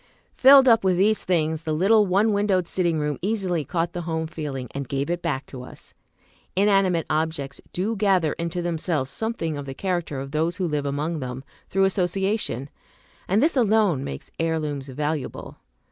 Filled up with these things, the little one windowed sitting room easily caught the home feeling, and gave it back to us. Inanimate Objects do gather into themselves something of the character of those who live among them, through association; and this alone makes heirlooms valuable.